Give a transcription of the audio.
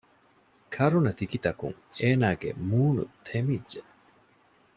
ކަރުނަތިކިތަކުން އޭނާގެ މޫނު ތެމިއްޖެ